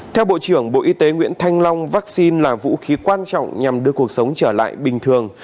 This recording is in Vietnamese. theo bộ trưởng bộ y tế nguyễn thanh long vaccine là vũ khí quan trọng nhằm đưa cuộc sống trở lại bình thường